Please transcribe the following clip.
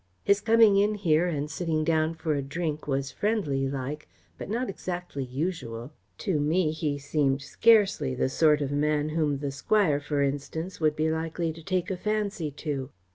His coming in here and sitting down for a drink was friendly like but not exactly usual. To me he seemed scarcely the sort of man whom the Squire, for instance, would be likely to take a fancy to."